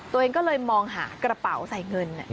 ตัวเองก็เลยมองหากระเป๋าใส่เงิน